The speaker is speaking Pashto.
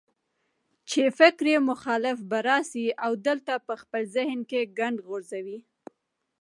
چې فکري مخالف به راځي او دلته به خپل ذهني ګند غورځوي